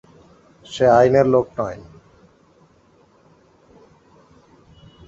সে আইনের লোক নয়।